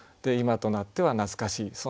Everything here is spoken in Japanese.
今となっては懐かしい。